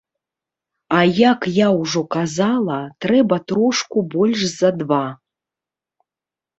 А як я ўжо казала, трэба трошку больш за два.